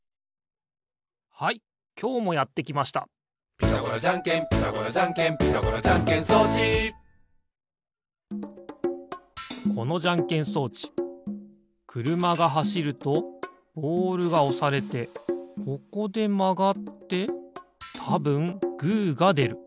「ピタゴラじゃんけんピタゴラじゃんけん」「ピタゴラじゃんけん装置」このじゃんけん装置くるまがはしるとボールがおされてここでまがってたぶんグーがでる。